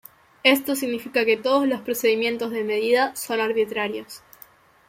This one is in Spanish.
Esto significa que todos los procedimientos de medida son arbitrarios.